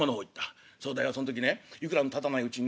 「そうだよそん時ねいくらもたたないうちにね